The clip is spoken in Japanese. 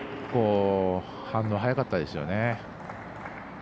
反応が早かったですよね。